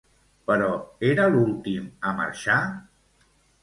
Però era l'últim a marxar?